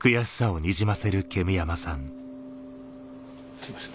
すいません